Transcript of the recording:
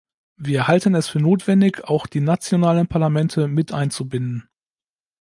Wir halten es für notwendig, auch die nationalen Parlamente mit einzubinden.